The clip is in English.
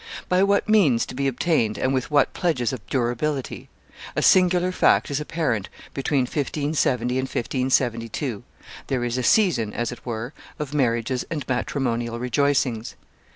By what means to be obtained and with what pledges of durability? A singular fact is apparent between 1570 and 1572; there is a season, as it were, of marriages and matrimonial rejoicings.